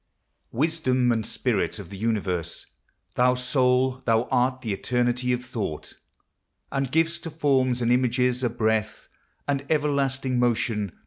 FROM " THE PRELUDE," I. Wisdom and Spirit of the universe! Thou Soul, that art the eternity of thought! And giv'st to forms and images a breath And everlasting motion